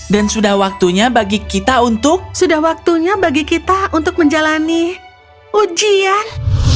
dan sudah waktunya bagi kita untuk sudah waktunya bagi kita untuk menjalani ujian